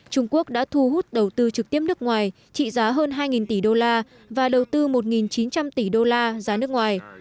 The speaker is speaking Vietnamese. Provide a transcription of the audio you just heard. trung quốc đã thu hút đầu tư trực tiếp nước ngoài trị giá hơn hai tỷ đô la và đầu tư một chín trăm linh tỷ đô la ra nước ngoài